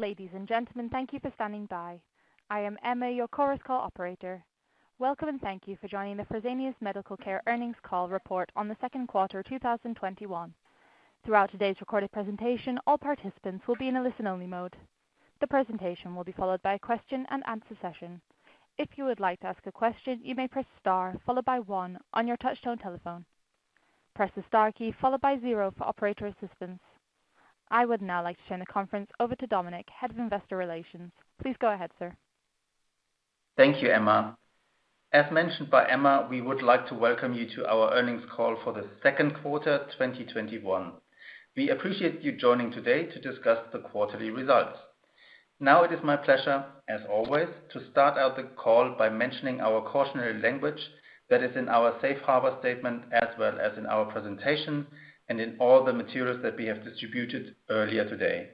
Ladies and gentlemen, thank you for standing by. I am Emma, your Chorus Call operator. Welcome, and thank you for joining the Fresenius Medical Care Earnings Call report on the Second Quarter 2021. Throughout today's recorded presentation, all participants will be in a listen-only mode. The presentation will be followed by a question and answer session. If you would like to ask a question, you may press star, followed by one on your touchtone telephone. Press the star key followed by zero for operator assistance. I would now like to turn the conference over to Dominik, Head of Investor Relations. Please go ahead, sir. Thank you, Emma. As mentioned by Emma, we would like to welcome you to our Earnings Call for the Second Quarter, 2021. We appreciate you joining today to discuss the quarterly results. Now it is my pleasure, as always, to start out the call by mentioning our cautionary language that is in our Safe Harbor Statement as well as in our presentation and in all the materials that we have distributed earlier today.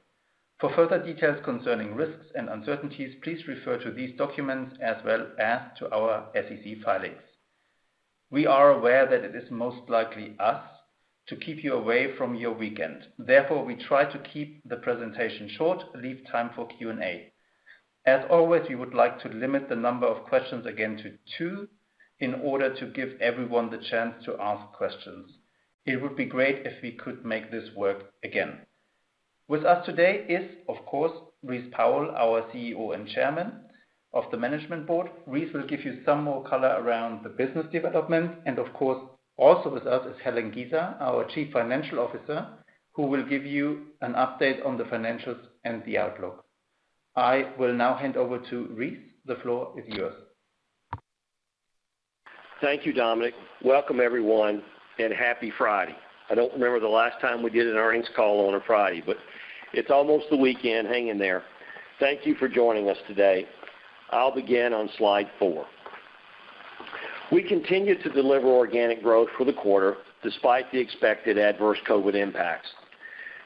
For further details concerning risks and uncertainties, please refer to these documents as well as to our SEC filings. We are aware that it is most likely us to keep you away from your weekend. Therefore, we try to keep the presentation short, leave time for Q&A. As always, we would like to limit the number of questions again to two in order to give everyone the chance to ask questions. It would be great if we could make this work again. With us today is, of course, Rice Powell, our CEO and Chairman of the Management Board. Rice will give you some more color around the business development. Of course, also with us is Helen Giza, our Chief Financial Officer, who will give you an update on the financials and the outlook. I will now hand over to Rice. The floor is yours. Thank you, Dominik. Welcome, everyone, happy Friday. I don't remember the last time we did an earnings call on a Friday, but it's almost the weekend. Hang in there. Thank you for joining us today. I'll begin on Slide 4. We continued to deliver organic growth for the quarter, despite the expected adverse COVID impacts.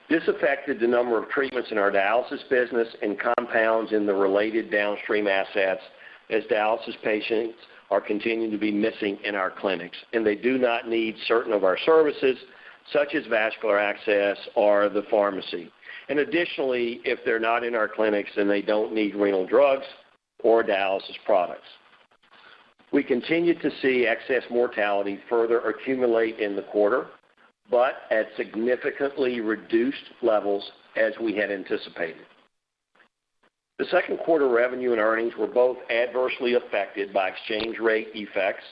This affected the number of treatments in our dialysis business and compounds in the related downstream assets, as dialysis patients are continuing to be missing in our clinics, and they do not need certain of our services, such as vascular access or the pharmacy. Additionally, if they're not in our clinics, then they don't need renal drugs or dialysis products. We continued to see excess mortality further accumulate in the quarter, but at significantly reduced levels as we had anticipated. The second quarter revenue and earnings were both adversely affected by exchange rate effects.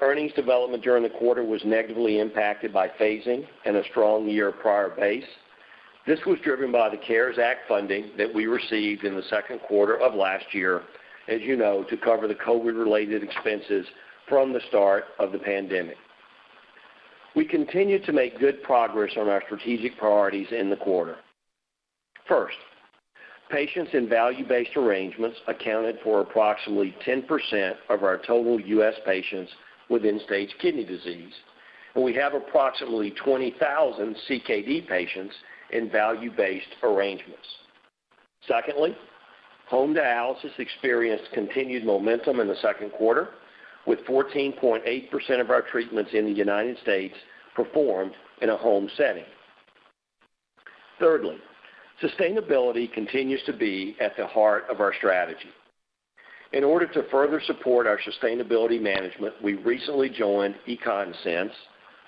Earnings development during the quarter was negatively impacted by phasing and a strong year prior base. This was driven by the CARES Act funding that we received in the second quarter of last year, as you know, to cover the COVID-related expenses from the start of the pandemic. We continued to make good progress on our strategic priorities in the quarter. First, patients in value-based arrangements accounted for approximately 10% of our total U.S. patients with end-stage kidney disease, and we have approximately 20,000 CKD patients in value-based arrangements. Secondly, home dialysis experienced continued momentum in the second quarter, with 14.8% of our treatments in the United States performed in a home setting. Thirdly, sustainability continues to be at the heart of our strategy. In order to further support our sustainability management, we recently joined econsense,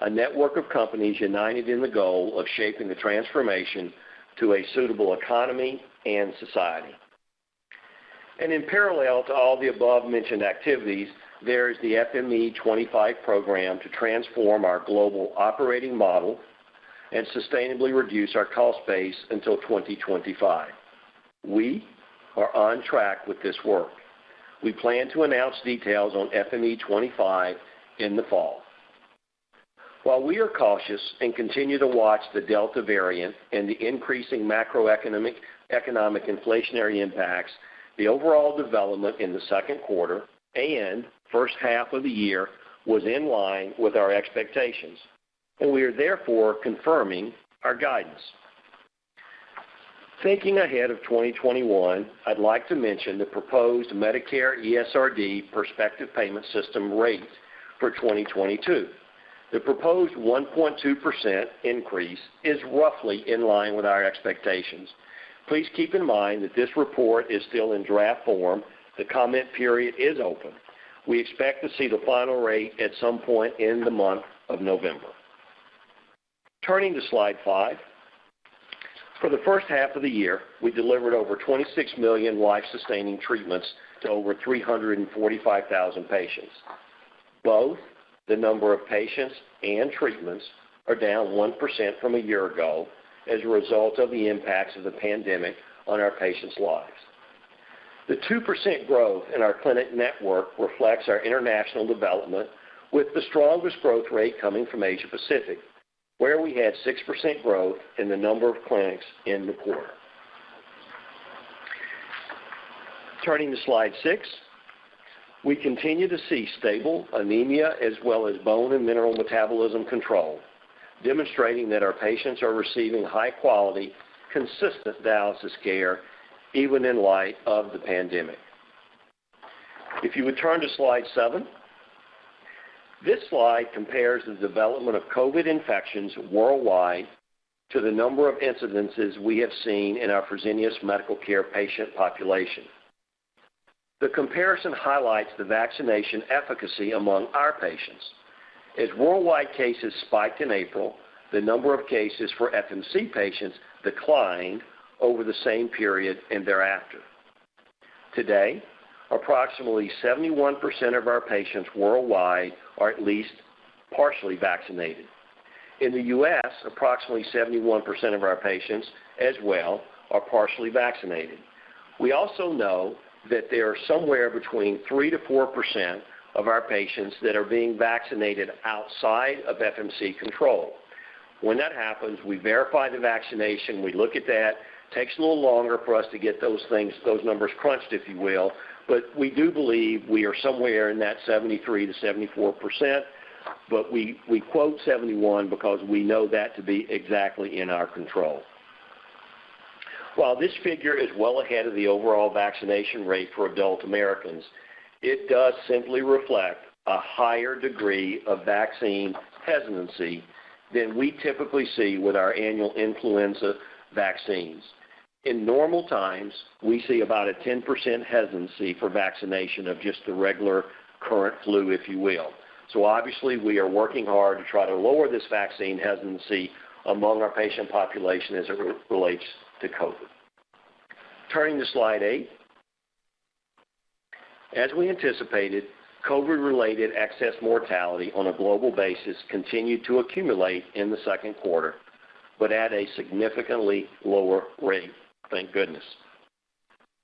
a network of companies united in the goal of shaping the transformation to a suitable economy and society. In parallel to all the above-mentioned activities, there is the FME25 program to transform our global operating model and sustainably reduce our cost base until 2025. We are on track with this work. We plan to announce details on FME25 in the fall. While we are cautious and continue to watch the Delta variant and the increasing macroeconomic inflationary impacts, the overall development in the second quarter and first half of the year was in line with our expectations, and we are therefore confirming our guidance. Thinking ahead of 2021, I'd like to mention the proposed Medicare ESRD prospective payment system rate for 2022. The proposed 1.2% increase is roughly in line with our expectations. Please keep in mind that this report is still in draft form. The comment period is open. We expect to see the final rate at some point in the month of November. Turning to Slide 5. For the first half of the year, we delivered over 26 million life-sustaining treatments to over 345,000 patients. Both the number of patients and treatments are down 1% from a year ago as a result of the impacts of the pandemic on our patients' lives. The 2% growth in our clinic network reflects our international development with the strongest growth rate coming from Asia Pacific, where we had 6% growth in the number of clinics in the quarter. Turning to Slide 6. We continue to see stable anemia as well as bone and mineral metabolism control, demonstrating that our patients are receiving high-quality, consistent dialysis care, even in light of the pandemic. If you would turn to Slide 7. This slide compares the development of COVID infections worldwide to the number of incidences we have seen in our Fresenius Medical Care patient population. The comparison highlights the vaccination efficacy among our patients. As worldwide cases spiked in April, the number of cases for FMC patients declined over the same period and thereafter. Today, approximately 71% of our patients worldwide are at least partially vaccinated. In the U.S., approximately 71% of our patients as well are partially vaccinated. We also know that there are somewhere between 3%-4% of our patients that are being vaccinated outside of FMC control. When that happens, we verify the vaccination, we look at that. Takes a little longer for us to get those numbers crunched, if you will, but we do believe we are somewhere in that 73%-74%, but we quote 71% because we know that to be exactly in our control. While this figure is well ahead of the overall vaccination rate for adult Americans, it does simply reflect a higher degree of vaccine hesitancy than we typically see with our annual influenza vaccines. In normal times, we see about a 10% hesitancy for vaccination of just the regular current flu, if you will. Obviously, we are working hard to try to lower this vaccine hesitancy among our patient population as it relates to COVID. Turning to Slide 8. As we anticipated, COVID-related excess mortality on a global basis continued to accumulate in the second quarter, but at a significantly lower rate, thank goodness.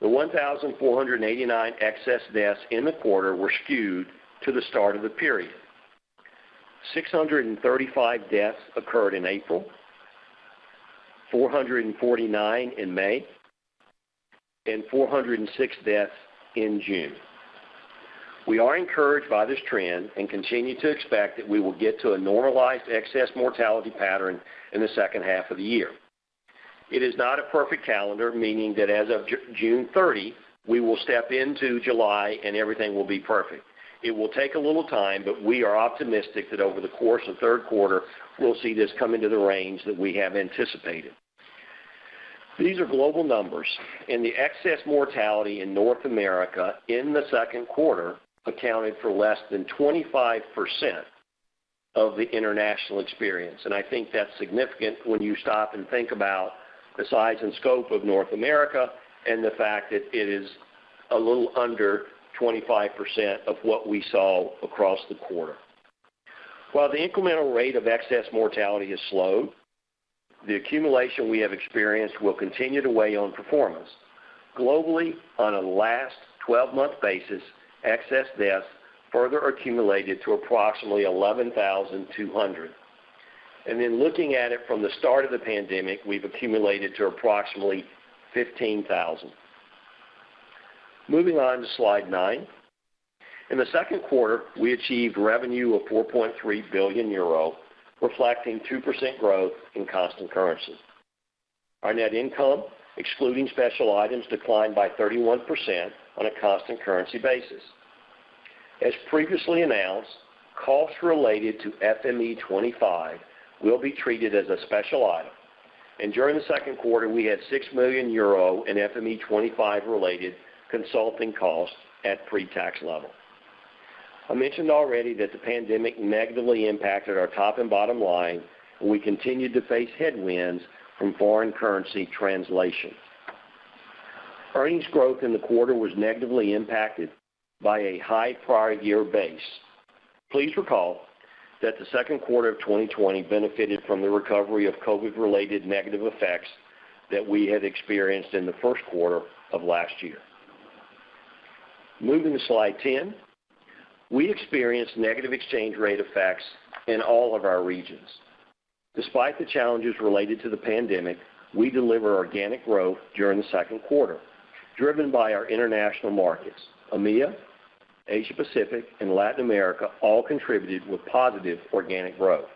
The 1,489 excess deaths in the quarter were skewed to the start of the period. 635 deaths occurred in April, 449 in May, 406 deaths in June. We are encouraged by this trend and continue to expect that we will get to a normalized excess mortality pattern in the second half of the year. It is not a perfect calendar, meaning that as of June 30, we will step into July and everything will be perfect. It will take a little time, but we are optimistic that over the course of the third quarter, we'll see this come into the range that we have anticipated. These are global numbers, the excess mortality in North America in the second quarter accounted for less than 25% of the international experience. I think that's significant when you stop and think about the size and scope of North America and the fact that it is a little under 25% of what we saw across the quarter. While the incremental rate of excess mortality has slowed, the accumulation we have experienced will continue to weigh on performance. Globally, on a last 12-month basis, excess deaths further accumulated to approximately 11,200. Then looking at it from the start of the pandemic, we've accumulated to approximately 15,000. Moving on to Slide 9. In the second quarter, we achieved revenue of 4.3 billion euro, reflecting 2% growth in constant currency. Our net income, excluding special items, declined by 31% on a constant currency basis. As previously announced, costs related to FME25 will be treated as a special item, and during the second quarter, we had 6 million euro in FME25-related consulting costs at pre-tax level. I mentioned already that the pandemic negatively impacted our top and bottom line, and we continued to face headwinds from foreign currency translation. Earnings growth in the quarter was negatively impacted by a high prior-year base. Please recall that the second quarter of 2020 benefited from the recovery of COVID-related negative effects that we had experienced in the first quarter of last year. Moving to Slide 10. We experienced negative exchange rate effects in all of our regions. Despite the challenges related to the pandemic, we delivered organic growth during the second quarter, driven by our international markets. EMEA, Asia Pacific, and Latin America all contributed with positive organic growth.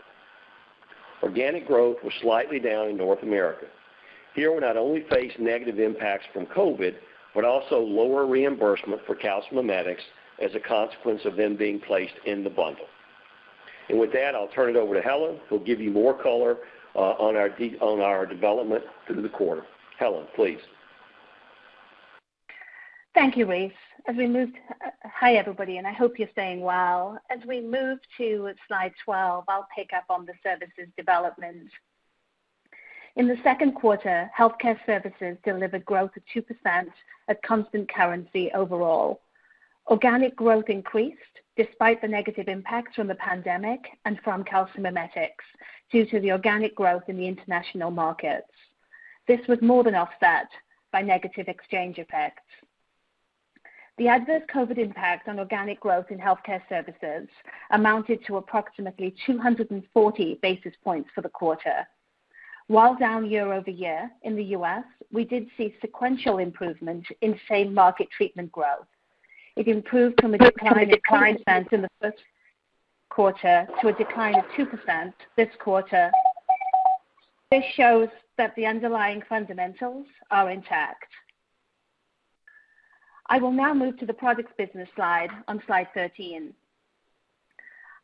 Organic growth was slightly down in North America. Here, we not only faced negative impacts from COVID, but also lower reimbursement for calcimimetics as a consequence of them being placed in the bundle. With that, I'll turn it over to Helen, who'll give you more color on our development through the quarter. Helen, please. Thank you, Rice. Hi, everybody, I hope you're staying well. As we move to Slide 12, I'll pick up on the services development. In the second quarter, healthcare services delivered growth of 2% at constant currency overall. Organic growth increased despite the negative impact from the pandemic and from calcimimetics due to the organic growth in the international markets. This was more than offset by negative exchange effects. The adverse COVID impact on organic growth in healthcare services amounted to approximately 240 basis points for the quarter. While down year-over-year in the U.S., we did see sequential improvement in same market treatment growth. It improved from a decline of 1% in the first quarter to a decline of 2% this quarter. This shows that the underlying fundamentals are intact. I will now move to the products business slide on Slide 13.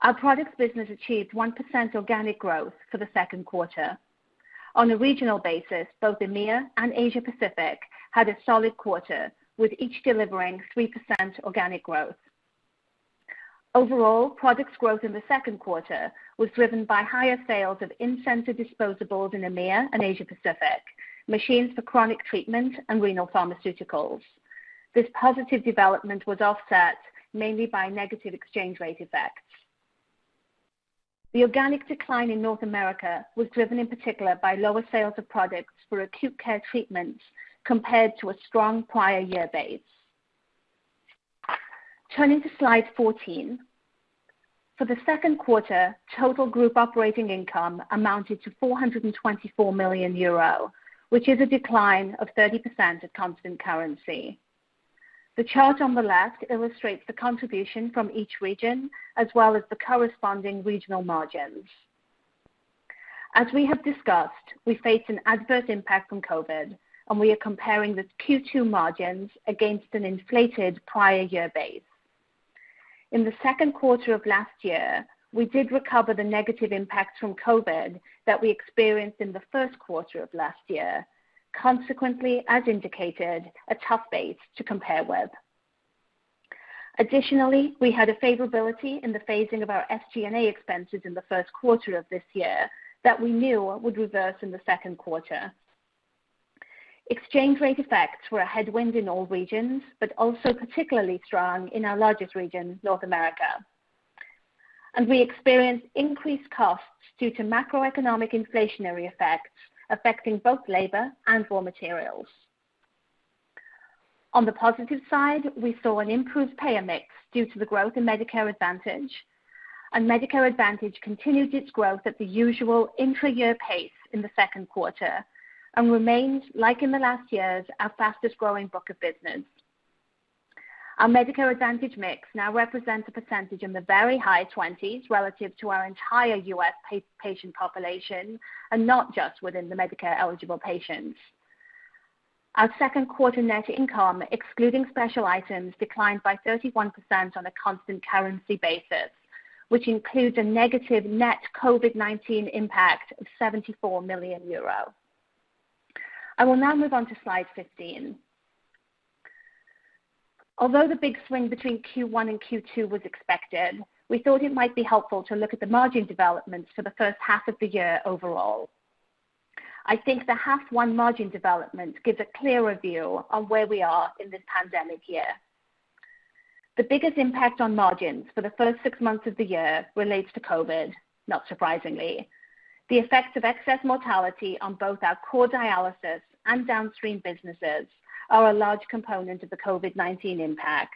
Our products business achieved 1% organic growth for the second quarter. On a regional basis, both EMEA and Asia Pacific had a solid quarter, with each delivering 3% organic growth. Overall, products growth in the second quarter was driven by higher sales of in-center disposables in EMEA and Asia Pacific, machines for chronic treatment, and renal pharmaceuticals. This positive development was offset mainly by negative exchange rate effects. The organic decline in North America was driven in particular by lower sales of products for acute care treatments compared to a strong prior-year base. Turning to Slide 14. For the second quarter, total group operating income amounted to 424 million euro, which is a decline of 30% at constant currency. The chart on the left illustrates the contribution from each region, as well as the corresponding regional margins. As we have discussed, we faced an adverse impact from COVID, and we are comparing the Q2 margins against an inflated prior-year base. In the second quarter of last year, we did recover the negative impact from COVID that we experienced in the first quarter of last year. Consequently, as indicated, a tough base to compare with. Additionally, we had a favorability in the phasing of our SG&A expenses in the first quarter of this year that we knew would reverse in the second quarter. Exchange rate effects were a headwind in all regions, but also particularly strong in our largest region, North America. We experienced increased costs due to macroeconomic inflationary effects affecting both labor and raw materials. On the positive side, we saw an improved payer mix due to the growth in Medicare Advantage. Medicare Advantage continued its growth at the usual intra-year pace in the 2nd quarter and remains, like in the last years, our fastest-growing book of business. Our Medicare Advantage mix now represents a percentage in the very high 20s relative to our entire U.S. patient population, and not just within the Medicare-eligible patients. Our second quarter net income, excluding special items, declined by 31% on a constant currency basis, which includes a negative net COVID-19 impact of 74 million euro. I will now move on to Slide 15. Although the big swing between Q1 and Q2 was expected, we thought it might be helpful to look at the margin developments for the first half of the year overall. I think the half one margin development gives a clearer view on where we are in this pandemic year. The biggest impact on margins for the first six months of the year relates to COVID, not surprisingly. The effects of excess mortality on both our core dialysis and downstream businesses are a large component of the COVID-19 impact.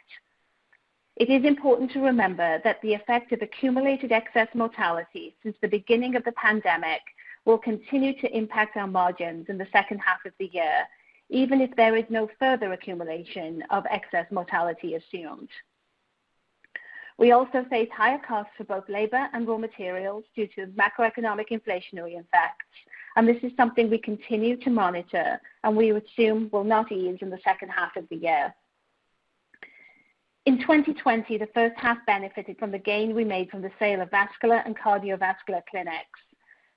It is important to remember that the effect of accumulated excess mortality since the beginning of the pandemic will continue to impact our margins in the second half of the year, even if there is no further accumulation of excess mortality assumed. We also face higher costs for both labor and raw materials due to macroeconomic inflationary effects, and this is something we continue to monitor and we assume will not ease in the second half of the year. In 2020, the first half benefited from the gain we made from the sale of vascular and cardiovascular clinics.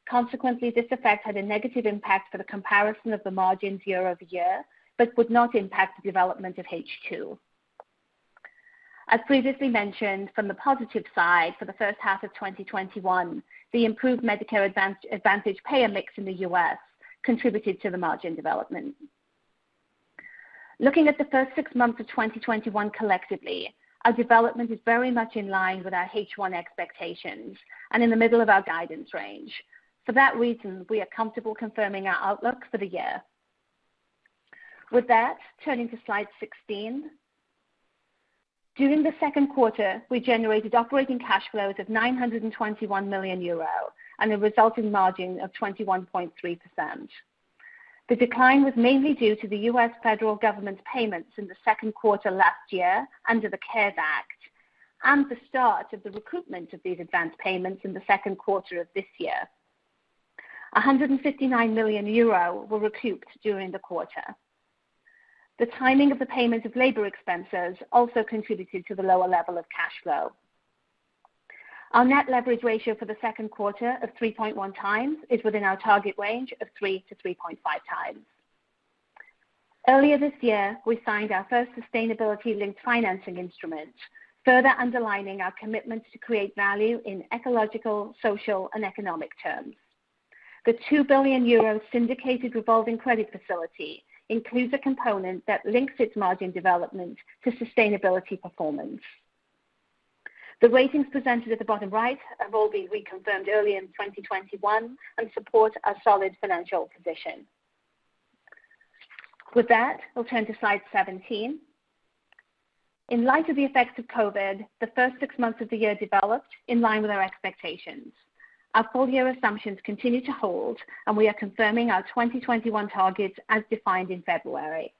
Consequently, this effect had a negative impact for the comparison of the margins year-over-year, but would not impact the development of H2. As previously mentioned, from the positive side for the first half of 2021, the improved Medicare Advantage payer mix in the U.S. contributed to the margin development. Looking at the first six months of 2021 collectively, our development is very much in line with our H1 expectations and in the middle of our guidance range. For that reason, we are comfortable confirming our outlook for the year. With that, turning to Slide 16. During the second quarter, we generated operating cash flows of 921 million euro and a resulting margin of 21.3%. The decline was mainly due to the U.S. federal government payments in the second quarter last year under the CARES Act and the start of the recoupment of these advanced payments in the second quarter of this year. 159 million euro were recouped during the quarter. The timing of the payment of labor expenses also contributed to the lower level of cash flow. Our net leverage ratio for the second quarter of 3.1x is within our target range of 3x-3.5x. Earlier this year, we signed our first sustainability linked financing instrument, further underlining our commitment to create value in ecological, social, and economic terms. The 2 billion euro syndicated revolving credit facility includes a component that links its margin development to sustainability performance. The ratings presented at the bottom right have all been reconfirmed early in 2021 and support our solid financial position. With that, we'll turn to Slide 17. In light of the effects of COVID, the first six months of the year developed in line with our expectations. Our full-year assumptions continue to hold, and we are confirming our 2021 targets as defined in February.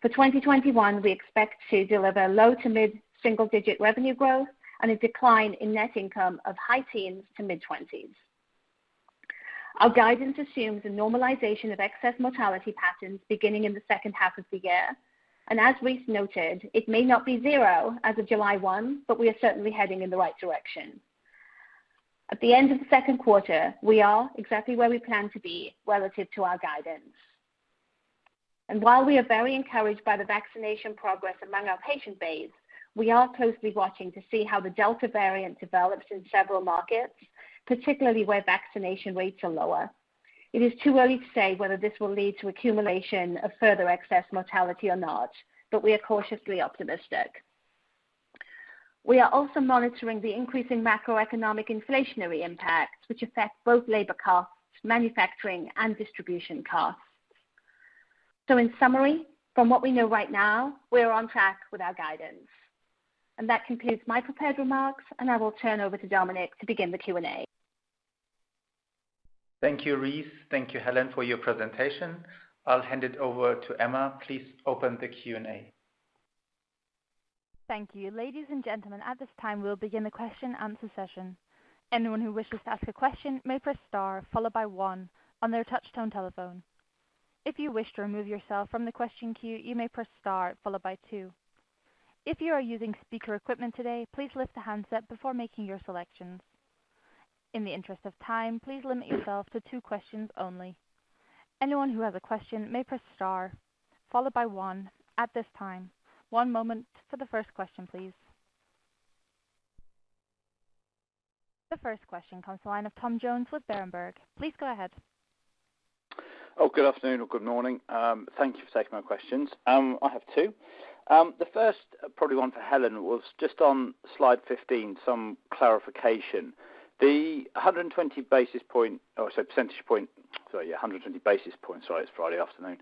For 2021, we expect to deliver low to mid-single-digit revenue growth and a decline in net income of high teens to mid-20s. Our guidance assumes a normalization of excess mortality patterns beginning in the second half of the year. As Rice noted, it may not be zero as of July 1, but we are certainly heading in the right direction. At the end of the second quarter, we are exactly where we plan to be relative to our guidance. While we are very encouraged by the vaccination progress among our patient base, we are closely watching to see how the Delta variant develops in several markets, particularly where vaccination rates are lower. It is too early to say whether this will lead to accumulation of further excess mortality or not, but we are cautiously optimistic. We are also monitoring the increasing macroeconomic inflationary impacts, which affect both labor costs, manufacturing, and distribution costs. In summary, from what we know right now, we are on track with our guidance. That concludes my prepared remarks, and I will turn over to Dominik to begin the Q&A. Thank you, Rice. Thank you, Helen, for your presentation. I'll hand it over to Emma. Please open the Q&A. Thank you. Ladies and gentlemen, at this time, we'll begin the question and answer session. Anyone who wishes to ask a question may press star followed by one on their touch-tone telephone. If you wish to remove yourself from the question queue, you may press star followed by two. If you are using speaker equipment today, please lift the handset before making your selections. In the interest of time, please limit yourself to two questions only. Anyone who has a question may press star followed by one at this time. One moment for the first question, please. The first question comes the line of Tom Jones with Berenberg. Please go ahead. Good afternoon or good morning. Thank you for taking my questions. I have two. The first, probably one for Helen, was just on Slide 15, some clarification. The 120 basis point, or percentage point, 120 basis points, it's Friday afternoon,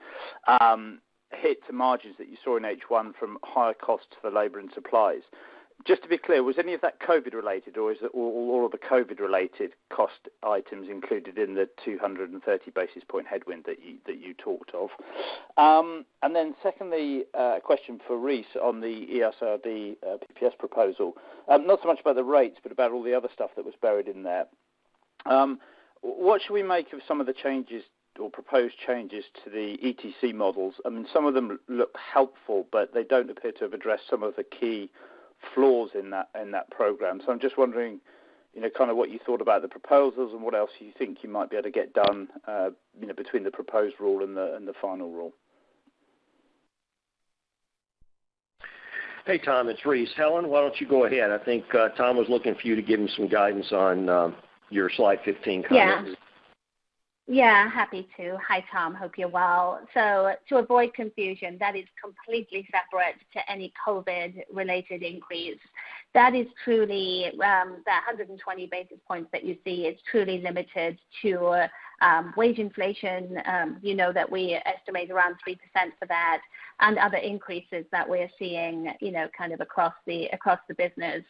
hit to margins that you saw in H1 from higher costs for labor and supplies. Just to be clear, was any of that COVID related, or is it all of the COVID related cost items included in the 230 basis point headwind that you talked of? Secondly, a question for Rice on the ESRD PPS proposal. Not so much about the rates, but about all the other stuff that was buried in there. What should we make of some of the changes or proposed changes to the ETC models? I mean, some of them look helpful, but they don't appear to have addressed some of the key flaws in that program. I'm just wondering, kind of what you thought about the proposals and what else you think you might be able to get done between the proposed rule and the final rule. Hey, Tom, it's Rice. Helen, why don't you go ahead? I think Tom was looking for you to give him some guidance on your Slide 15 comments. Happy to. Hi, Tom. Hope you're well. To avoid confusion, that is completely separate to any COVID related increase. That 120 basis points that you see is truly limited to wage inflation, that we estimate around 3% for that and other increases that we're seeing, kind of across the business.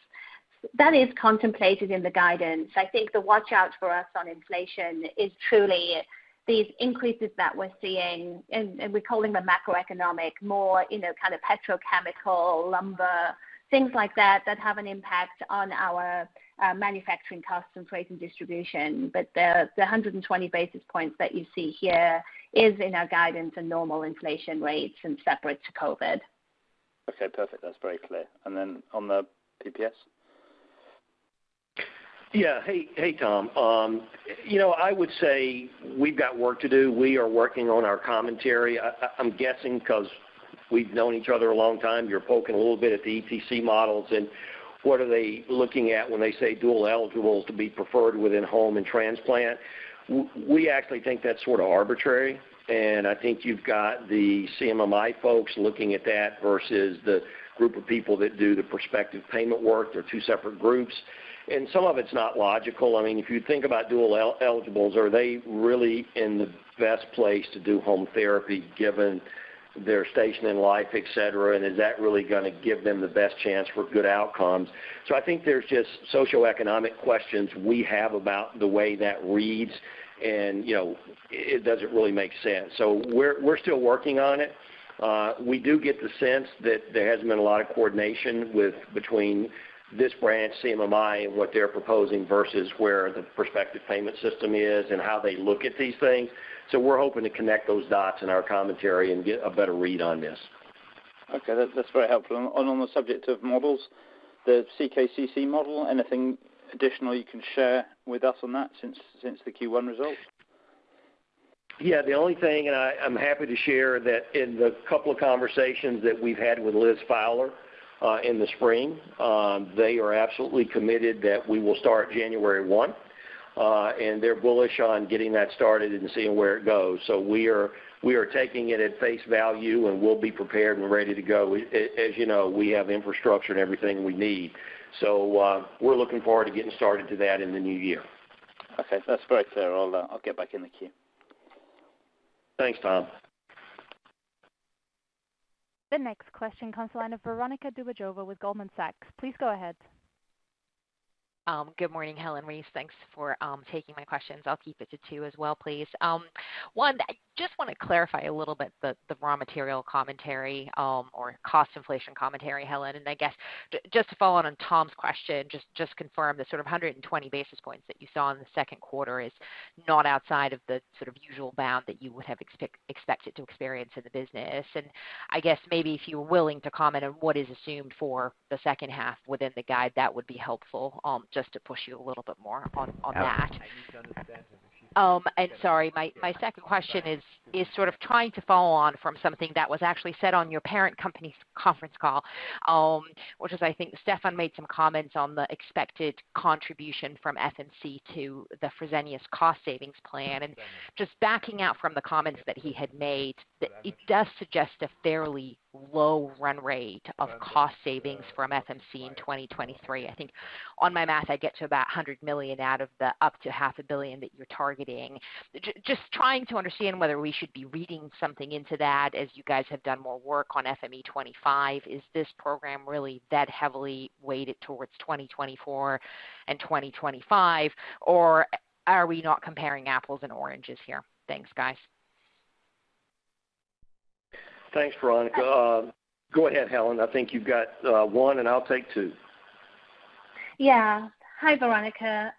That is contemplated in the guidance. I think the watch out for us on inflation is truly these increases that we're seeing, and we're calling them macroeconomic, more kind of petrochemical, lumber, things like that have an impact on our manufacturing costs and freight and distribution. The 120 basis points that you see here is in our guidance and normal inflation rates and separate to COVID. Okay, perfect. That's very clear. On the PPS? Yeah. Hey, Tom. I would say we've got work to do. We are working on our commentary. I'm guessing because we've known each other a long time, you're poking a little bit at the ETC models and what are they looking at when they say dual eligibles to be preferred within home and transplant. We actually think that's sort of arbitrary, and I think you've got the CMMI folks looking at that versus the group of people that do the prospective payment work. They're two separate groups. Some of it's not logical. If you think about dual eligibles, are they really in the best place to do home therapy given their station in life, etc, and is that really going to give them the best chance for good outcomes? I think there's just socioeconomic questions we have about the way that reads, and it doesn't really make sense. We're still working on it. We do get the sense that there hasn't been a lot of coordination between this branch, CMMI, and what they're proposing versus where the prospective payment system is and how they look at these things. We're hoping to connect those dots in our commentary and get a better read on this. Okay. That's very helpful. On the subject of models, the CKCC model, anything additional you can share with us on that since the Q1 results? Yeah, the only thing, I'm happy to share that in the couple of conversations that we've had with Elizabeth Fowler in the spring, they are absolutely committed that we will start January 1. They're bullish on getting that started and seeing where it goes. We are taking it at face value, and we'll be prepared and ready to go. As you know, we have infrastructure and everything we need. We're looking forward to getting started to that in the new year. Okay. That's very clear. I'll get back in the queue. Thanks, Tom. The next question comes the line of Veronika Dubajova with Goldman Sachs. Please go ahead. Good morning, Helen Giza. Thanks for taking my questions. I'll keep it to two as well, please. One, I just want to clarify a little bit the raw material commentary or cost inflation commentary, Helen Giza. I guess just to follow on Tom Jones' question, just confirm the sort of 120 basis points that you saw in the second quarter is not outside of the sort of usual bound that you would have expected to experience in the business. I guess maybe if you're willing to comment on what is assumed for the second half within the guide, that would be helpful, just to push you a little bit more on that. Helen, I need to understand if... Sorry, my second question is sort of trying to follow on from something that was actually said on your parent company's conference call, which is, I think Stephan made some comments on the expected contribution from FMC to the Fresenius cost savings plan. Just backing out from the comments that he had made, it does suggest a fairly low run rate of cost savings from FMC in 2023. I think on my math, I get to about 100 million out of the up to 500 million that you're targeting. Just trying to understand whether we should be reading something into that as you guys have done more work on FME25. Is this program really that heavily weighted towards 2024 and 2025, or are we not comparing apples and oranges here? Thanks, guys. Thanks, Veronika. Go ahead, Helen. I think you've got one and I'll take two. Hi, Veronika.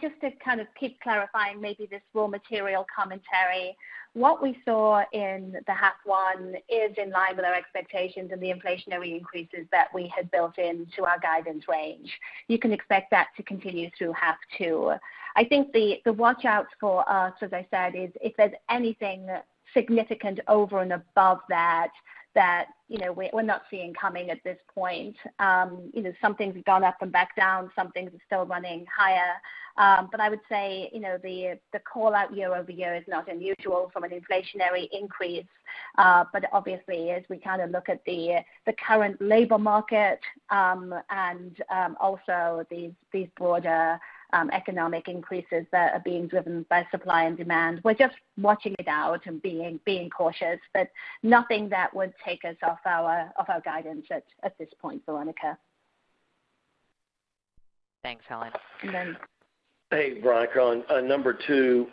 Just to kind of keep clarifying maybe this raw material commentary. What we saw in the half one is in line with our expectations and the inflationary increases that we had built into our guidance range. You can expect that to continue through half two. I think the watch out for us, as I said, is if there's anything significant over and above that we're not seeing coming at this point. Some things have gone up and back down, some things are still running higher. I would say, the call-out year-over-year is not unusual from an inflationary increase. Obviously, as we kind of look at the current labor market, and also these broader economic increases that are being driven by supply and demand. We're just watching it out and being cautious, but nothing that would take us off our guidance at this point, Veronika. Thanks, Helen. Hey, Veronika. On number two,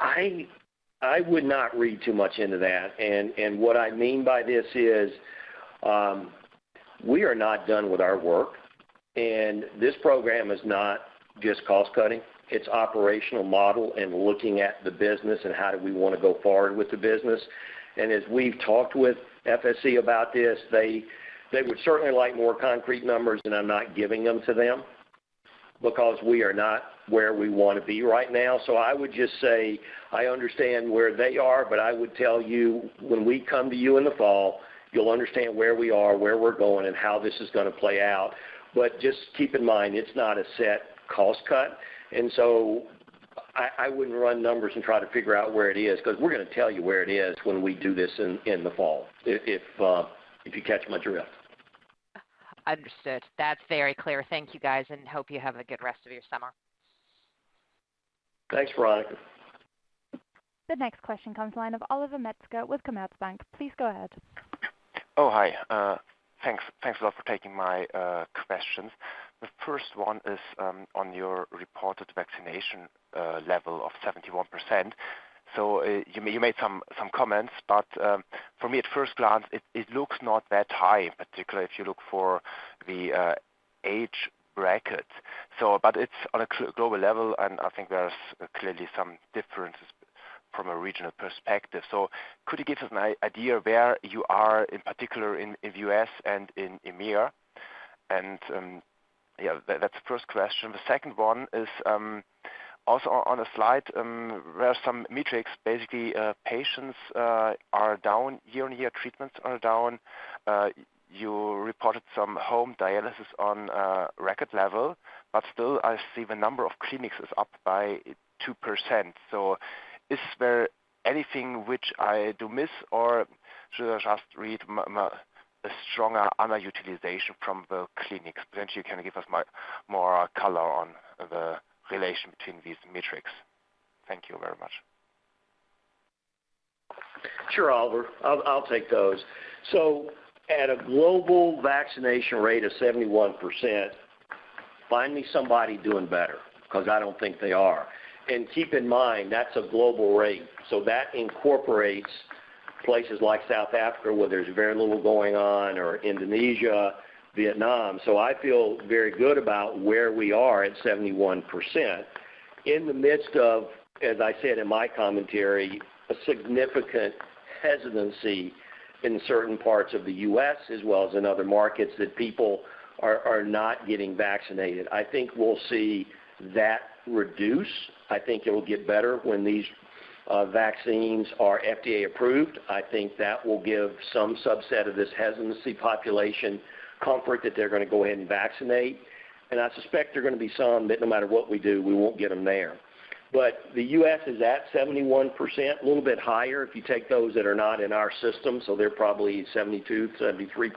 I would not read too much into that. What I mean by this is, we are not done with our work. This program is not just cost-cutting, it's operational model and looking at the business and how do we want to go forward with the business. As we've talked with FSE about this, they would certainly like more concrete numbers, and I'm not giving them to them because we are not where we want to be right now. I would just say, I understand where they are, but I would tell you, when we come to you in the fall, you'll understand where we are, where we're going, and how this is going to play out. Just keep in mind, it's not a set cost cut. I wouldn't run numbers and try to figure out where it is because we're going to tell you where it is when we do this in the fall. If you catch my drift. Understood. That's very clear. Thank you, guys, and hope you have a good rest of your summer. Thanks, Veronika. The next question comes the line of Oliver Metzger with Commerzbank. Please go ahead. Oh, hi. Thanks a lot for taking my questions. The first one is on your reported vaccination level of 71%. You made some comments, but for me at first glance, it looks not that high, particularly if you look for the age bracket. It's on a global level, and I think there's clearly some differences from a regional perspective. Could you give us an idea where you are in particular in U.S. and in EMEA? Yeah, that's the first question. The second one is also on a slide where some metrics, basically patients are down year-on-year, treatments are down. You reported some home dialysis on a record level, but still I see the number of clinics is up by 2%. Is there anything which I do miss or should I just read a stronger underutilization from the clinics? Perhaps you can give us more color on the relation between these metrics. Thank you very much. Sure, Oliver. I'll take those. At a global vaccination rate of 71%, find me somebody doing better, because I don't think they are. Keep in mind, that's a global rate. That incorporates places like South Africa where there's very little going on, or Indonesia, Vietnam. I feel very good about where we are at 71% in the midst of, as I said in my commentary, a significant hesitancy in certain parts of the U.S. as well as in other markets that people are not getting vaccinated. I think we'll see that reduce. I think it will get better when these vaccines are FDA approved. I think that will give some subset of this hesitancy population comfort that they're going to go ahead and vaccinate. I suspect there are going to be some that no matter what we do, we won't get them there. The U.S. is at 71%, a little bit higher if you take those that are not in our system. They're probably 72%-73%.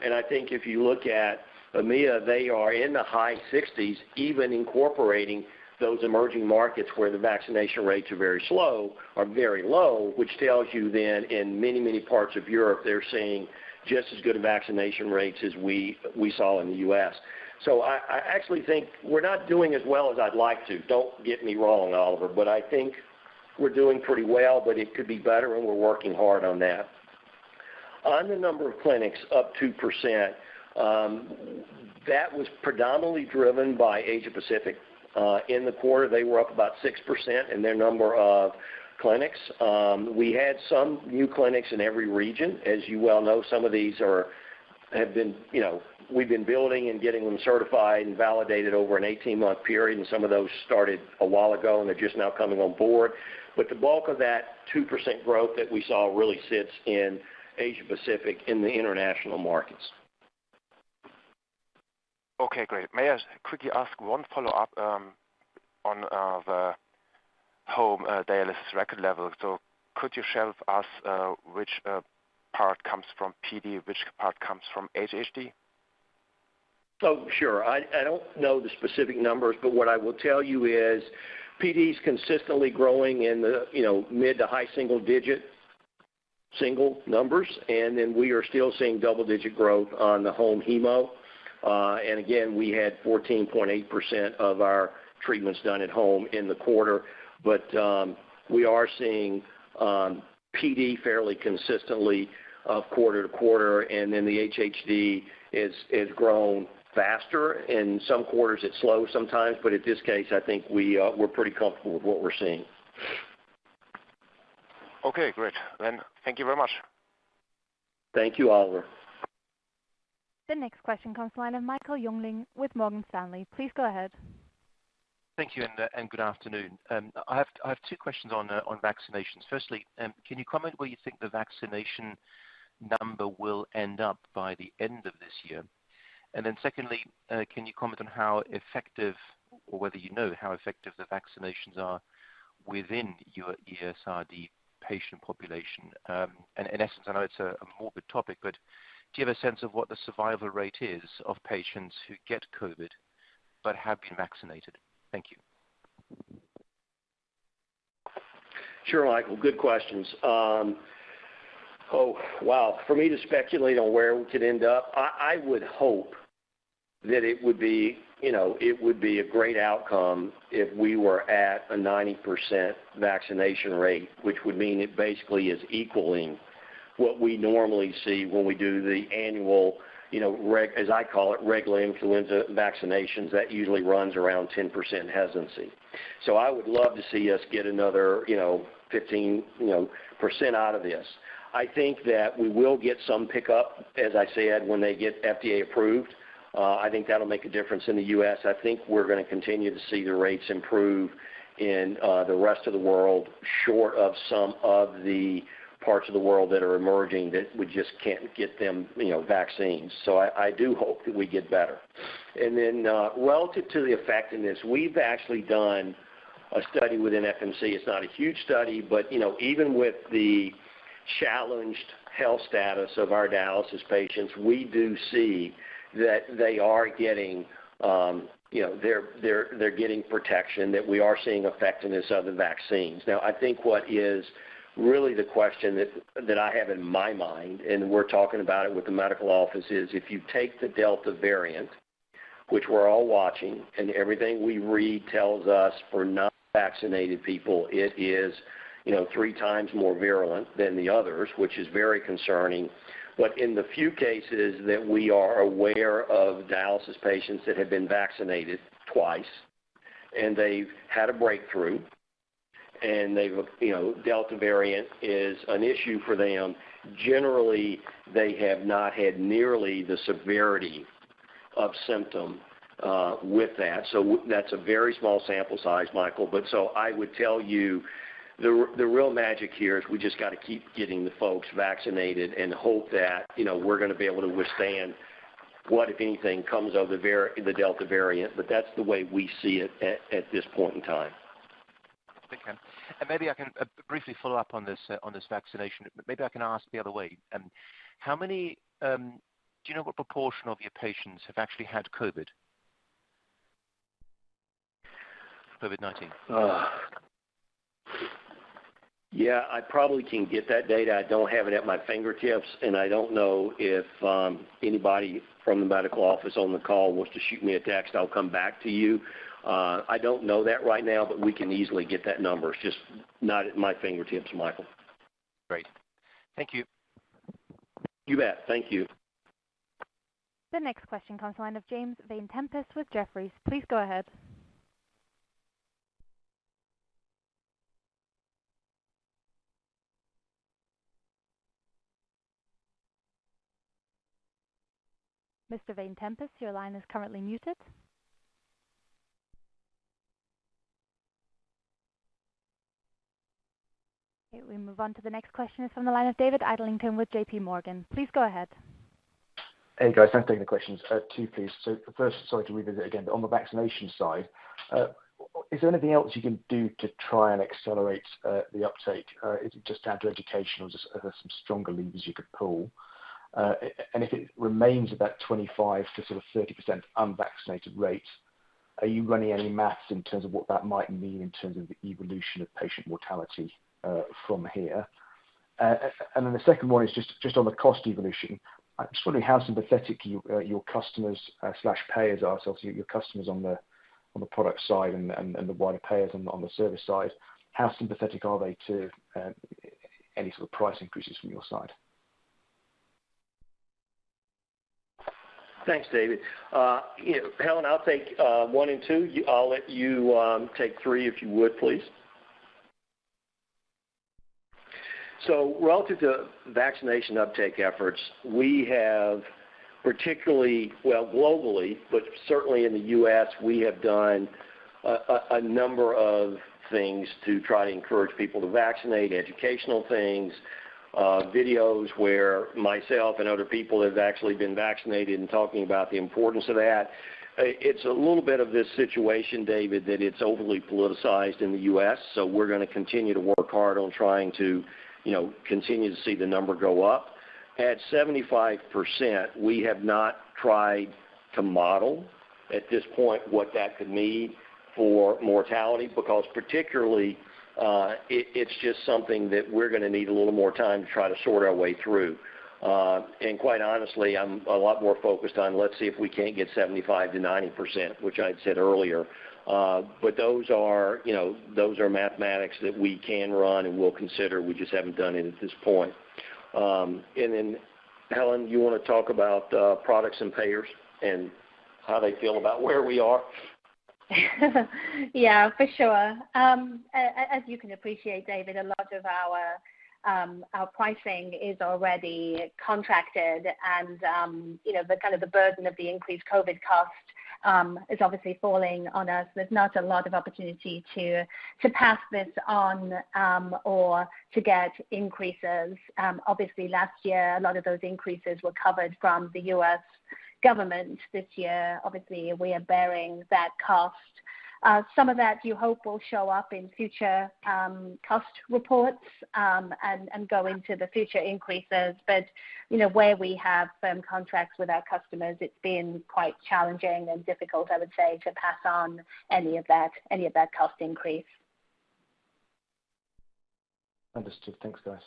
I think if you look at EMEA, they are in the high 60s, even incorporating those emerging markets where the vaccination rates are very slow or very low, which tells you then in many, many parts of Europe, they're seeing just as good a vaccination rates as we saw in the U.S. I actually think we're not doing as well as I'd like to, don't get me wrong, Oliver, but I think we're doing pretty well, but it could be better, and we're working hard on that. On the number of clinics up 2%, that was predominantly driven by Asia Pacific. In the quarter, they were up about 6% in their number of clinics. We had some new clinics in every region. As you well know, some of these we've been building and getting them certified and validated over an 18-month period, and some of those started a while ago, and they're just now coming on board. The bulk of that 2% growth that we saw really sits in Asia Pacific in the international markets. Okay, great. May I quickly ask one follow-up on the home dialysis record level? Could you share with us which part comes from PD, which part comes from HHD? Oh, sure. I don't know the specific numbers, what I will tell you is PD is consistently growing in the mid to high single-digit, single numbers, we are still seeing double-digit growth on the home hemo. Again, we had 14.8% of our treatments done at home in the quarter. We are seeing PD fairly consistently quarter-to-quarter, the HHD has grown faster. In some quarters it's slow sometimes, in this case, I think we're pretty comfortable with what we're seeing. Okay, great. Thank you very much. Thank you, Oliver. The next question comes from the line of Michael Jungling with Morgan Stanley. Please go ahead. Thank you, and good afternoon. I have two questions on vaccinations. Firstly, can you comment where you think the vaccination number will end up by the end of this year? Secondly, can you comment on how effective or whether you know how effective the vaccinations are within your ESRD patient population? In essence, I know it's a morbid topic, but do you have a sense of what the survival rate is of patients who get COVID but have been vaccinated? Thank you. Sure, Michael. Good questions. Oh, wow. For me to speculate on where we could end up, I would hope that it would be a great outcome if we were at a 90% vaccination rate, which would mean it basically is equaling what we normally see when we do the annual, as I call it, regular influenza vaccinations that usually runs around 10% hesitancy. I would love to see us get another 15% out of this. I think that we will get some pickup, as I said, when they get FDA approved. I think that'll make a difference in the U.S. I think we're going to continue to see the rates improve in the rest of the world, short of some of the parts of the world that are emerging that we just can't get them vaccines. I do hope that we get better. Relative to the effectiveness, we've actually done a study within FMC. It's not a huge study, but even with the challenged health status of our dialysis patients, we do see that they're getting protection, that we are seeing effectiveness of the vaccines. Now, I think what is really the question that I have in my mind, and we're talking about it with the medical office, is, if you take the Delta variant, which we're all watching and everything we read tells us for not vaccinated people, it is three times more virulent than the others, which is very concerning. In the few cases that we are aware of dialysis patients that have been vaccinated twice and they've had a breakthrough and Delta variant is an issue for them, generally, they have not had nearly the severity of symptom with that. That's a very small sample size, Michael. I would tell you the real magic here is we just got to keep getting the folks vaccinated and hope that we're going to be able to withstand what, if anything, comes of the Delta variant. That's the way we see it at this point in time. Okay. Maybe I can briefly follow up on this vaccination. Maybe I can ask the other way. Do you know what proportion of your patients have actually had COVID-19? Yeah, I probably can get that data. I don't have it at my fingertips, and I don't know if anybody from the medical office on the call wants to shoot me a text. I'll come back to you. I don't know that right now, but we can easily get that number. It's just not at my fingertips, Michael. Great. Thank you. You bet. Thank you. The next question comes to line of James Vane-Tempest with Jefferies. Please go ahead. Mr. Vane-Tempest, your line is currently muted. Okay, we move on to the next question is from the line of David Adlington with JPMorgan. Please go ahead. Hey, guys. Thanks for taking the questions. Two, please. First, sorry to revisit again. On the vaccination side, is there anything else you can do to try and accelerate the uptake? Is it just down to education or are there some stronger levers you could pull? If it remains about 25%-30% unvaccinated rate, are you running any math in terms of what that might mean in terms of the evolution of patient mortality from here? The second one is just on the cost evolution. I'm just wondering how sympathetic your customers/payers are. Obviously, your customers on the product side and the wider payers on the service side, how sympathetic are they to any sort of price increases from your side? Thanks, David. Helen, I'll take one and two. I'll let you take three, if you would please. Relative to vaccination uptake efforts, we have particularly, well, globally, but certainly in the U.S., we have done a number of things to try to encourage people to vaccinate, educational things, videos where myself and other people have actually been vaccinated and talking about the importance of that. It's a little bit of this situation, David, that it's overly politicized in the U.S., so we're going to continue to work hard on trying to continue to see the number go up. At 75%, we have not tried to model at this point what that could mean for mortality, because particularly, it's just something that we're going to need a little more time to try to sort our way through. Quite honestly, I'm a lot more focused on, let's see if we can't get 75%-90%, which I'd said earlier. Those are mathematics that we can run and will consider. We just haven't done it at this point. Then Helen, you want to talk about products and payers and how they feel about where we are? Yeah, for sure. As you can appreciate, David, a lot of our pricing is already contracted and the burden of the increased COVID cost is obviously falling on us. There's not a lot of opportunity to pass this on or to get increases. Last year, a lot of those increases were covered from the U.S. government. This year, obviously, we are bearing that cost. Some of that you hope will show up in future cost reports, and go into the future increases. Where we have firm contracts with our customers, it's been quite challenging and difficult, I would say, to pass on any of that cost increase. Understood. Thanks, guys.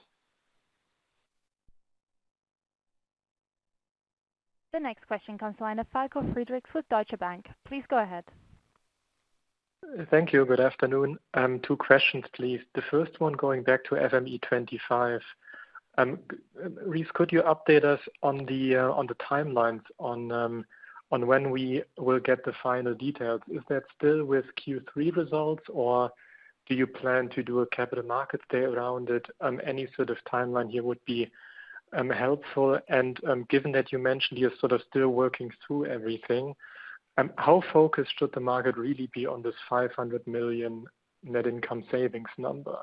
The next question comes from the line of Falko Friedrichs with Deutsche Bank. Please go ahead. Thank you. Good afternoon. Two questions, please. The first one, going back to FME25. Rice, could you update us on the timelines on when we will get the final details? Is that still with Q3 results, or do you plan to do a capital markets day around it? Any sort of timeline here would be helpful. Given that you mentioned you're still working through everything, how focused should the market really be on this 500 million net income savings number?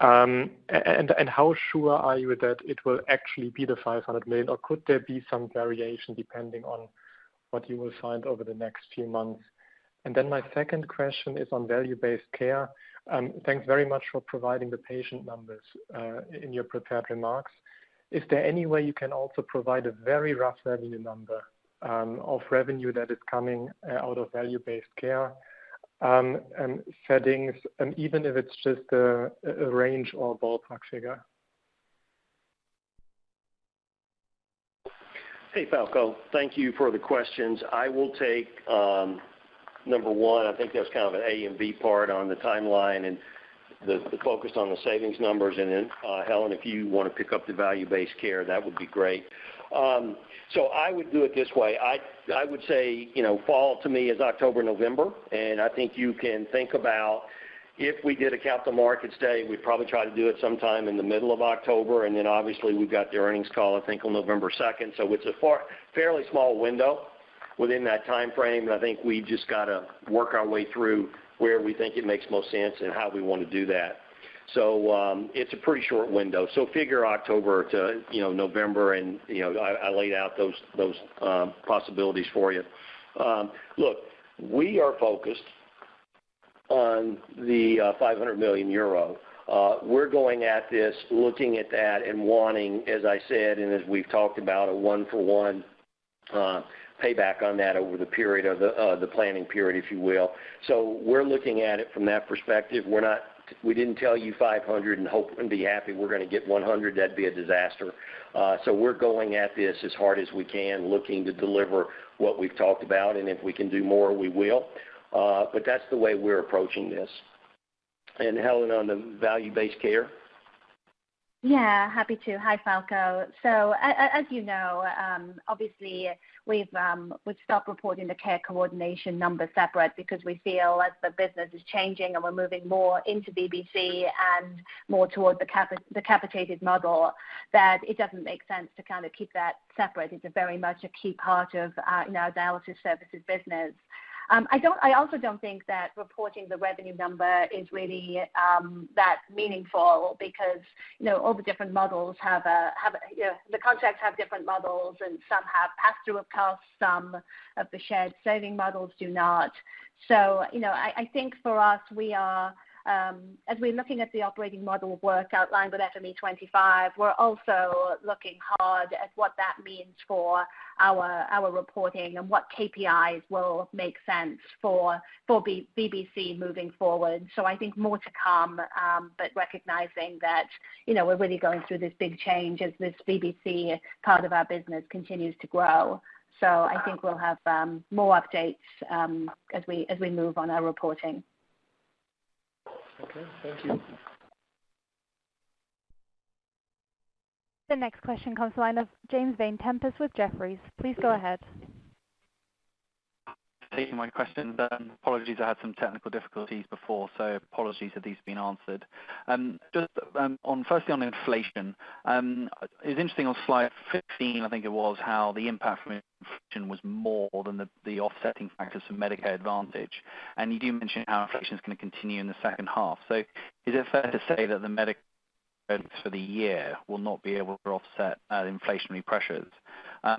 How sure are you that it will actually be the 500 million, or could there be some variation depending on what you will find over the next few months? My second question is on Value-Based Care. Thanks very much for providing the patient numbers, in your prepared remarks. Is there any way you can also provide a very rough revenue number of revenue that is coming out of value-based care settings, and even if it's just a range or a ballpark figure? Hey, Falko. Thank you for the questions. I will take number one. I think there's kind of an A and B part on the timeline and the focus on the savings numbers. Then Helen, if you want to pick up the value-based care, that would be great. I would do it this way. I would say, fall to me is October, November, and I think you can think about if we did a capital markets day, we'd probably try to do it sometime in the middle of October, and then obviously we've got the earnings call, I think, on November 2nd. It's a fairly small window within that timeframe, and I think we just got to work our way through where we think it makes most sense and how we want to do that. It's a pretty short window. Figure October to November and I laid out those possibilities for you. Look, we are focused on the 500 million euro. We're going at this looking at that and wanting, as I said, and as we've talked about, a one-for-one payback on that over the planning period, if you will. We're looking at it from that perspective. We didn't tell you 500 million and hope and be happy we're going to get 100 million. That'd be a disaster. We're going at this as hard as we can, looking to deliver what we've talked about, and if we can do more, we will. That's the way we're approaching this. Helen, on the value-based care. Yeah, happy to. Hi, Falko. As you know, obviously we've stopped reporting the care coordination numbers separate because we feel as the business is changing and we're moving more into VBC and more towards the capitated model, that it doesn't make sense to keep that separate. It's very much a key part of our dialysis services business. I also don't think that reporting the revenue number is really that meaningful because all the different models. The contracts have different models, and some have pass-through of costs, some of the shared saving models do not. I think for us, as we're looking at the operating model work outlined with FME25, we're also looking hard at what that means for our reporting and what KPIs will make sense for VBC moving forward. I think more to come, but recognizing that we're really going through this big change as this VBC part of our business continues to grow. I think we'll have more updates as we move on our reporting. Okay. Thank you. The next question comes to the line of James Vane-Tempest with Jefferies. Please go ahead. Thanks for taking my questions. Apologies, I had some technical difficulties before, so apologies if these been answered. Firstly, on inflation. It was interesting on Slide 15, I think it was, how the impact from inflation was more than the offsetting factors for Medicare Advantage. You do mention how inflation's going to continue in the second half. Is it fair to say that the Medicare Advantage for the year will not be able to offset inflationary pressures?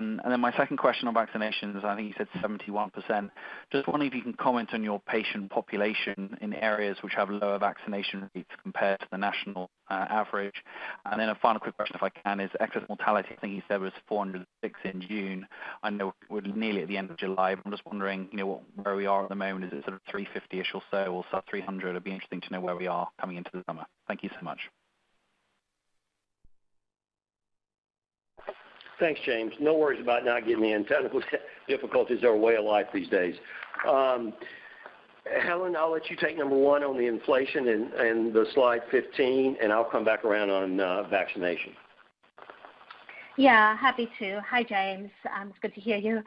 My second question on vaccinations, I think you said 71%. Just wondering if you can comment on your patient population in areas which have lower vaccination rates compared to the national average. A final quick question, if I can, is excess mortality. I think you said was 406 in June. I know we're nearly at the end of July, but I'm just wondering, where we are at the moment. Is it sort of 350-ish or so, or sub 300? It would be interesting to know where we are coming into the summer. Thank you so much. Thanks, James. No worries about not getting in. Technical difficulties are a way of life these days. Helen, I'll let you take number one on the inflation and the Slide 15, and I'll come back around on vaccination. Yeah, happy to. Hi, James. It's good to hear you.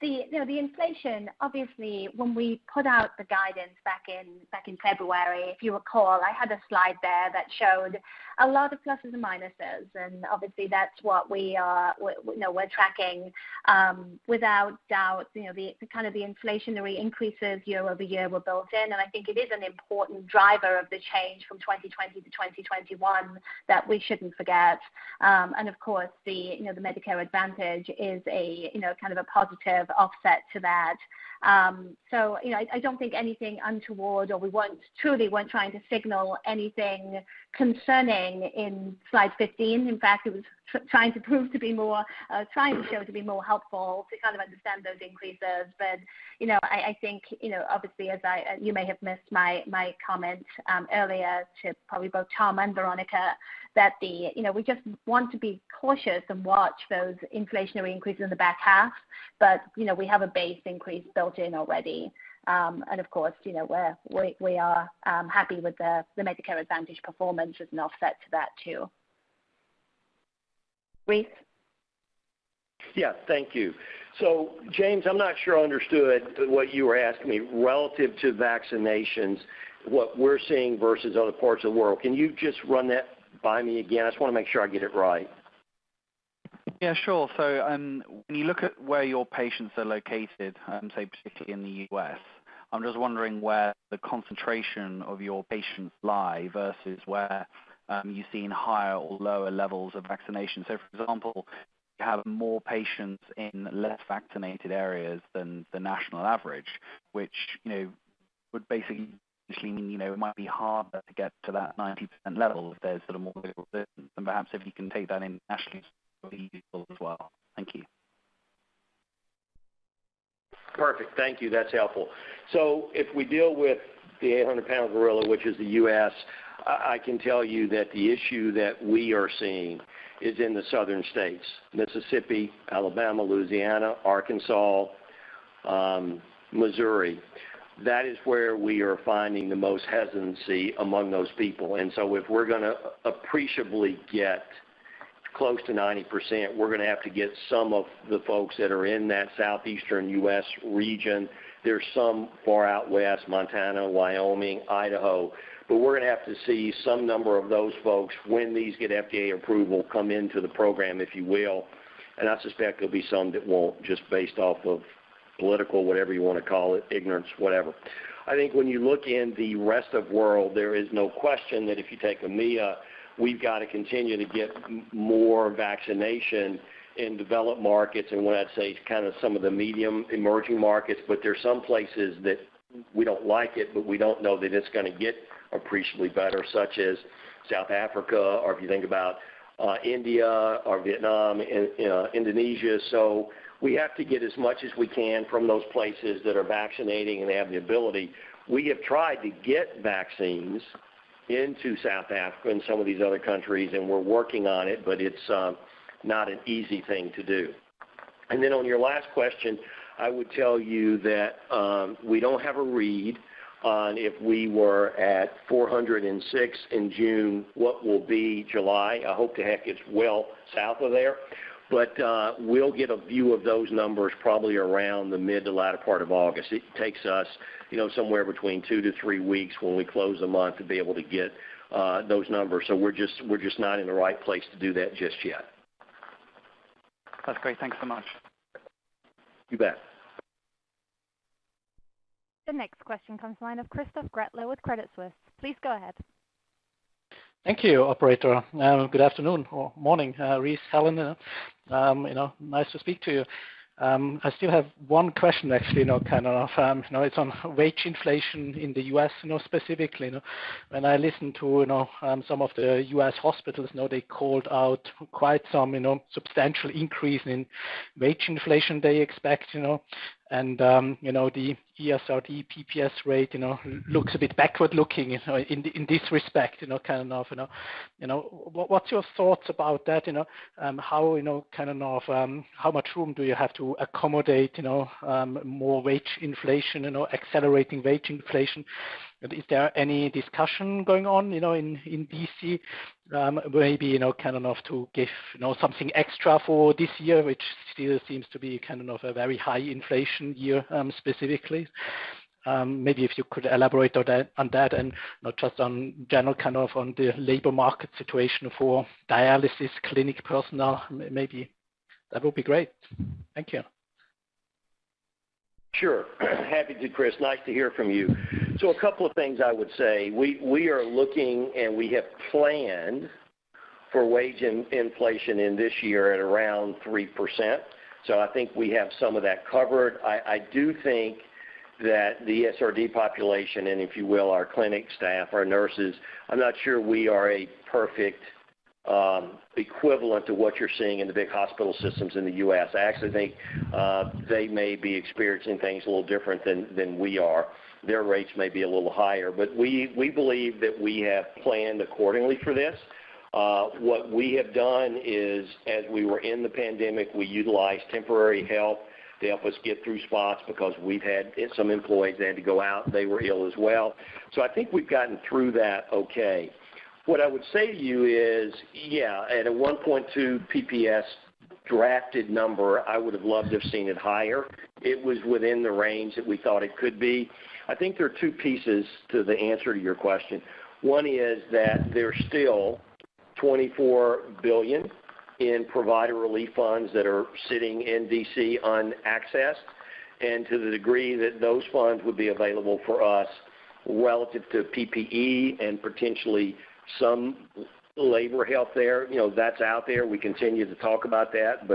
The inflation, obviously, when we put out the guidance back in February, if you recall, I had a slide there that showed a lot of pluses and minuses, and obviously that's what we're tracking. Without doubt, the inflationary increases year-over-year were built in, and I think it is an important driver of the change from 2020 to 2021 that we shouldn't forget. Of course, the Medicare Advantage is a kind of a positive offset to that. I don't think anything untoward, or we truly weren't trying to signal anything concerning in Slide 15. In fact, it was trying to show to be more helpful to kind of understand those increases. I think, obviously, as you may have missed my comment earlier to probably both Tom and Veronika, that we just want to be cautious and watch those inflationary increases in the back half. We have a base increase built in already. Of course, we are happy with the Medicare Advantage performance as an offset to that, too. Rice? Yeah. Thank you. James, I'm not sure I understood what you were asking me relative to vaccinations, what we're seeing versus other parts of the world. Can you just run that by me again? I just want to make sure I get it right. Yeah, sure. When you look at where your patients are located, say particularly in the U.S., I'm just wondering where the concentration of your patients lie versus where you're seeing higher or lower levels of vaccination. For example, you have more patients in less vaccinated areas than the national average, which would basically mean it might be harder to get to that 90% level. Perhaps if you can take that internationally as well. Thank you. Perfect. Thank you. That's helpful. If we deal with the 800-pound gorilla, which is the U.S., I can tell you that the issue that we are seeing is in the southern states: Mississippi, Alabama, Louisiana, Arkansas, Missouri. If we're going to appreciably get close to 90%, we're going to have to get some of the folks that are in that southeastern U.S. region. There's some far out west, Montana, Wyoming, Idaho. We're going to have to see some number of those folks when these get FDA approval, come into the program, if you will. I suspect there'll be some that won't, just based off of political, whatever you want to call it, ignorance, whatever. I think when you look in the rest of world, there is no question that if you take EMEA, we've got to continue to get more vaccination in developed markets, and when I say, kind of some of the medium emerging markets. There's some places that we don't like it, but we don't know that it's going to get appreciably better, such as South Africa or if you think about India or Vietnam, Indonesia. We have to get as much as we can from those places that are vaccinating and they have the ability. We have tried to get vaccines into South Africa and some of these other countries, and we're working on it, but it's not an easy thing to do. On your last question, I would tell you that we don't have a read on if we were at 406 in June, what will be July. I hope to heck it's well south of there. We'll get a view of those numbers probably around the mid to latter part of August. It takes us somewhere between two to three weeks when we close the month to be able to get those numbers. We're just not in the right place to do that just yet. That's great. Thank you so much. You bet. The next question comes the line of Christoph Gretler with Credit Suisse. Please go ahead. Thank you, operator. Good afternoon or morning, Rice Powell, Helen Giza. Nice to speak to you. I still have one question, actually, kind of. It's on wage inflation in the U.S. specifically. When I listen to some of the U.S. hospitals, they called out quite some substantial increase in wage inflation they expect. The ESRD PPS rate looks a bit backward-looking in this respect, kind of. What's your thoughts about that? How much room do you have to accommodate more wage inflation, accelerating wage inflation? Is there any discussion going on in D.C. maybe kind of to give something extra for this year, which still seems to be kind of a very high inflation year specifically? Maybe if you could elaborate on that and just on general kind of on the labor market situation for dialysis clinic personnel maybe. That would be great. Thank you. Sure. Happy to, Christoph Gretler. Nice to hear from you. A couple of things I would say. We are looking, and we have planned for wage inflation in this year at around 3%. I think we have some of that covered. I do think that the ESRD population, and if you will, our clinic staff, our nurses, I'm not sure we are a perfect equivalent to what you're seeing in the big hospital systems in the U.S. I actually think they may be experiencing things a little different than we are. Their rates may be a little higher. We believe that we have planned accordingly for this. What we have done is, as we were in the pandemic, we utilized temporary help to help us get through spots because we've had some employees that had to go out. They were ill as well. I think we've gotten through that okay. What I would say to you is, yeah, at a 1.2 PPS drafted number, I would've loved to have seen it higher. It was within the range that we thought it could be. I think there are two pieces to the answer to your question. One is that there's still 24 billion in provider relief funds that are sitting in D.C. unaccessed, and to the degree that those funds would be available for us relative to PPE and potentially some labor help there, that's out there. We continue to talk about that.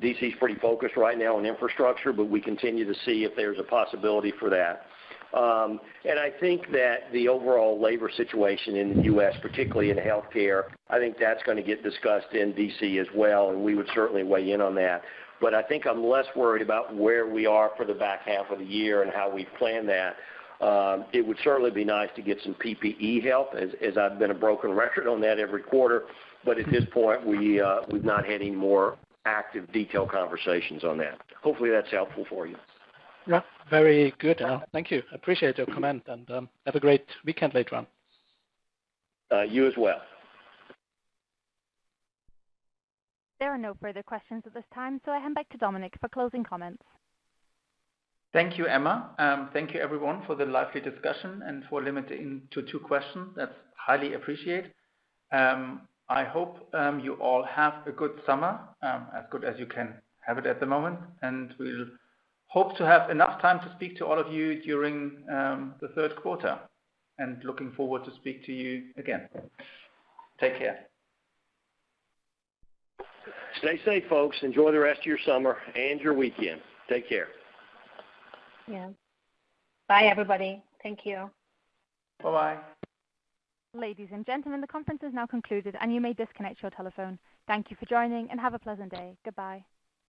D.C.'s pretty focused right now on infrastructure, but we continue to see if there's a possibility for that. I think that the overall labor situation in the U.S., particularly in healthcare, I think that's going to get discussed in D.C. as well, and we would certainly weigh in on that. I think I'm less worried about where we are for the back half of the year and how we plan that. It would certainly be nice to get some PPE help, as I've been a broken record on that every quarter. At this point, we've not had any more active detail conversations on that. Hopefully that's helpful for you. Yeah. Very good. Thank you. Appreciate your comment, and have a great weekend later on. You as well. There are no further questions at this time, so I hand back to Dominik for closing comments. Thank you, Emma. Thank you everyone for the lively discussion and for limiting to two questions. That's highly appreciated. I hope you all have a good summer, as good as you can have it at the moment. We'll hope to have enough time to speak to all of you during the third quarter. Looking forward to speak to you again. Take care. Stay safe, folks. Enjoy the rest of your summer and your weekend. Take care. Yeah. Bye everybody. Thank you. Bye-bye. Ladies and gentlemen, the conference is now concluded, and you may disconnect your telephone. Thank you for joining, and have a pleasant day. Goodbye.